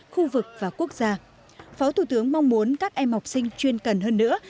khu vực và quốc gia phó thủ tướng mong muốn các em học sinh chuyên cần hơn nữa